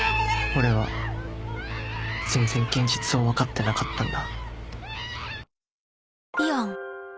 俺は全然現実を分かってなかったんだ